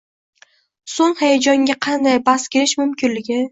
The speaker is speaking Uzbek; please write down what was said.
So‘ng hayajonga qanday bas kelish mumkinligi